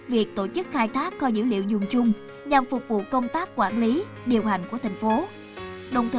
việc tổ chức khai thác kho dữ liệu dùng chung nhằm phục vụ công tác quản lý điều hành của thành phố